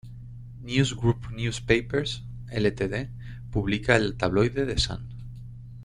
News Group Newspapers Ltd publica el tabloide "The Sun".